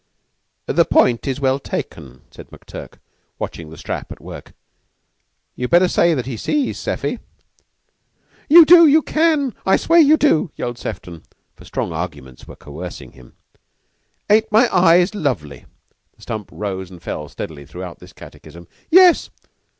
"The point is well taken," said McTurk, watching the strap at work. "You'd better say that he sees, Seffy." "You do you can! I swear you do!" yelled Sefton, for strong arguments were coercing him. "Aren't my eyes lovely?" The stump rose and fell steadily throughout this catechism. "Yes."